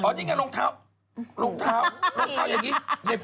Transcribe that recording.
อ๋อนี่ไงรองเท้ารองเท้ายังงี้เปรี้ยวทริป